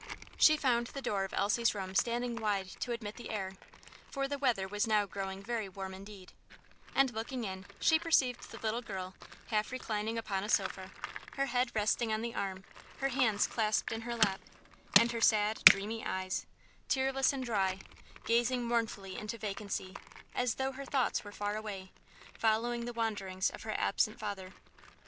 She found the door of Elsie's room standing wide to admit the air for the weather was now growing very warm indeed and looking in, she perceived the little girl half reclining upon a sofa, her head resting on the arm, her hands clasped in her lap, and her sad, dreamy eyes, tearless and dry, gazing mournfully into vacancy, as though her thoughts were far away, following the wanderings of her absent father.